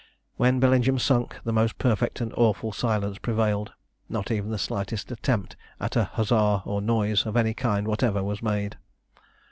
When Bellingham sunk, the most perfect and awful silence prevailed; not even the slightest attempt at a huzza or noise of any kind whatever was made.